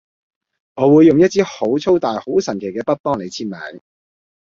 我會用一支好粗大好神奇嘅筆幫你簽名